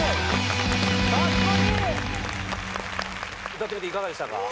歌ってみていかがでしたか？